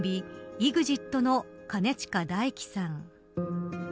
ＥＸＩＴの兼近大樹さん。